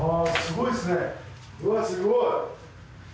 うわすごい。